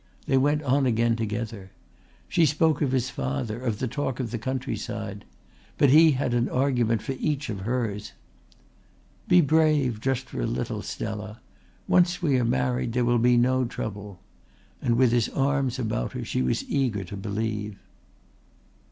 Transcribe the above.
They went on again together. She spoke of his father, of the talk of the countryside. But he had an argument for each of hers. "Be brave for just a little, Stella. Once we are married there will be no trouble," and with his arms about her she was eager to believe.